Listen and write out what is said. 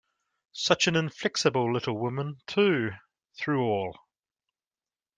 Such an inflexible little woman, too, through all!